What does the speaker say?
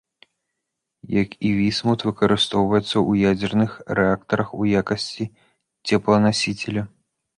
Як і вісмут выкарыстоўваецца ў ядзерных рэактарах у якасці цепланасіцеля.